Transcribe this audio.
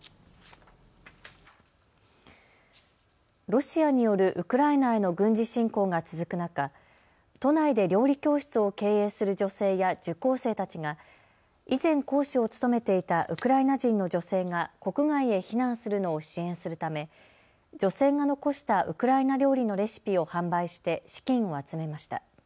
ロシアによるウクライナへの軍事侵攻が続く中、都内で料理教室を経営する女性や受講生たちが以前、講師を務めていたウクライナ人の女性が国外へ避難するのを支援するため女性が残したウクライナ料理のレシピを販売して資金を集めました。